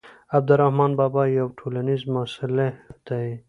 عبدالرحمان بابا یو ټولنیز مصلح دی.